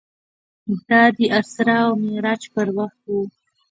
دا د اسرا او معراج پر وخت و.